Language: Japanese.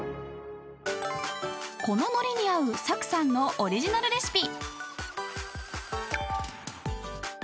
［こののりに合うサクさんのオリジナルレシピ］